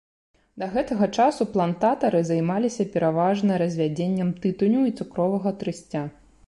Да гэтага часу плантатары займаліся пераважна развядзеннем тытуню і цукровага трысця.